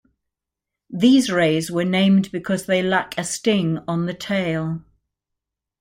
These rays were named because they lack a sting on the tail.